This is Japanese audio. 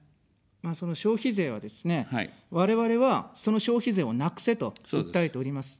まあ、その消費税はですね、我々は、その消費税をなくせと訴えております。